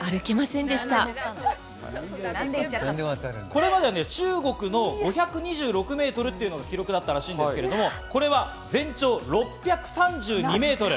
これまで中国の５２６メートルというのが記録だったらしいんですけれど、これは全長６３２メートル。